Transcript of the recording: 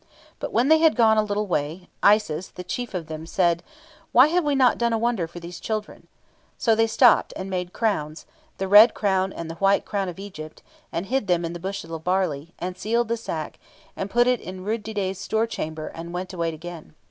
But when they had gone a little way, Isis, the chief of them, said, "Why have we not done a wonder for these children?" So they stopped, and made crowns, the red crown and the white crown of Egypt, and hid them in the bushel of barley, and sealed the sack, and put it in Rud didet's store chamber, and went away again.